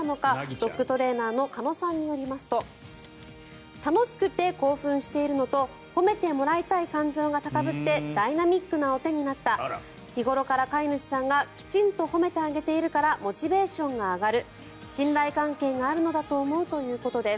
ドッグトレーナーの鹿野さんによりますと楽しくて興奮しているのと褒めてもらいたい感情が高ぶってダイナミックなお手になった日頃から飼い主さんがきちんと褒めてあげているからモチベーションが上がる信頼関係があるのだと思うということです。